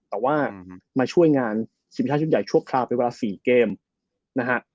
แต่ว่ามาช่วยงานทีมชาติชุดใหญ่ชั่วคราวไปเวลา๔เกมนะฮะ